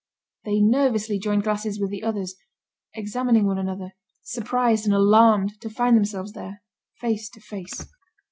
They nervously joined glasses with the others, examining one another, surprised and alarmed to find themselves there, face to face.